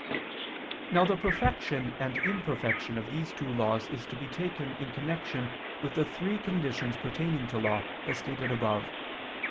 Now the perfection and imperfection of these two laws is to be taken in connection with the three conditions pertaining to law, as stated above.